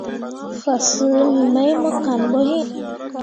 Fasǝǝni mai mo kan ɓo iŋ.